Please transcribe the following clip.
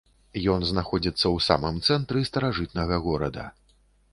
Ён знаходзіцца ў самым сэрцы старажытнага горада.